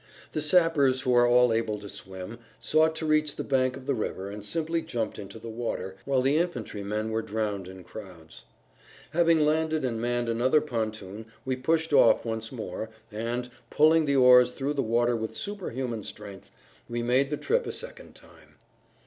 The sappers, who are all able to swim, sought to reach the bank of the river and simply jumped into the water, whilst the infantrymen were drowned in crowds. Having landed and manned another pontoon we pushed off once more and, pulling the oars through the water with superhuman strength, we made the trip a second time.